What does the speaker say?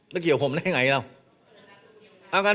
ไม่เกี่ยวผมได้ไงหรอก